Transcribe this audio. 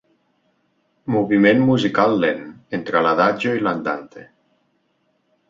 Moviment musical lent, entre l'adagio i l'andante.